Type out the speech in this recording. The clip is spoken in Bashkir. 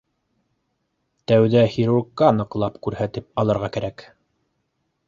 — Тәүҙә хирургҡа ныҡлап күрһәтеп алырға кәрәк